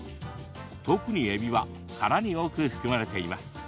特にえびは殻に多く含まれています。